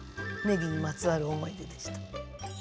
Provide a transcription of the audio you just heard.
ねぎにまつわる思い出でした。